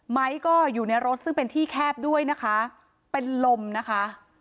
ไม้ก็อยู่ในรถซึ่งเป็นที่แคบด้วยนะคะเป็นลมนะคะ